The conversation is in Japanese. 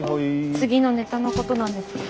次のネタのことなんですけど。